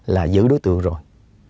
là giữ đối tượng rồi